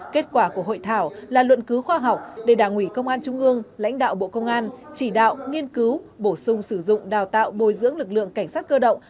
kết quả của hội thảo là luận cứu khoa học để đảng ủy công an trung ương lãnh đạo bộ công an chỉ đạo nghiên cứu bổ sung sử dụng đào tạo bồi dưỡng lực lượng cảnh sát cơ động